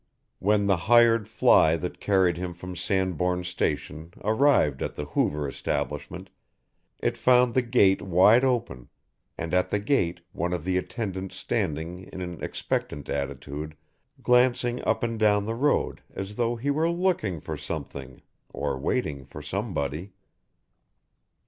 When the hired fly that carried him from Sandbourne Station arrived at the Hoover establishment, it found the gate wide open, and at the gate one of the attendants standing in an expectant attitude glancing up and down the road as though he were looking for something, or waiting for somebody.